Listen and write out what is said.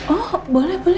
oh boleh boleh